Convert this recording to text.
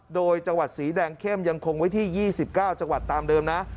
โดยจังหวัดสีแดงเข้มยังคงไว้ที่๒๙จังหวัดตามเดิมนะ